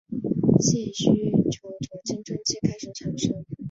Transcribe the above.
性需求从青春期开始产生。